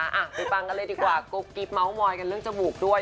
อ่ะไปฟังกันเลยดีกว่ากุ๊กกิ๊บเมาส์มอยกันเรื่องจมูกด้วย